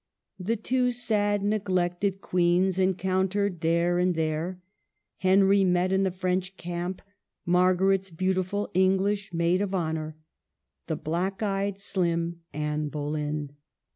The two sad neglected queens encountered there, and there Henry met in the French camp Margaret's beautiful English maid of honor, the black eyed, slim Anne Boleyn.